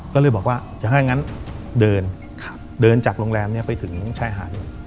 ก็เลยบอกว่าถ้างั้นเดินเดินจากโรงแรมนี้ไปถึงชายหาด